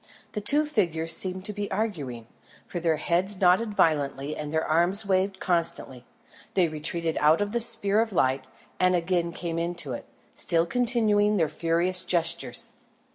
The two figures seemed to be arguing, for their heads nodded violently and their arms waved constantly. They retreated out of the sphere of light, and again came into it, still continuing their furious gestures.